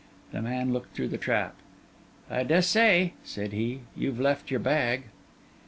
The man looked through the trap. 'I dessay,' said he: 'you've left your bag.